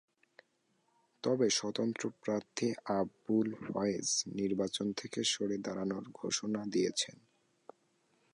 তবে স্বতন্ত্র প্রার্থী আবুল ফয়েজ নির্বাচন থেকে সরে দাঁড়ানোর ঘোষণা দিয়েছেন।